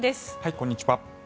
こんにちは。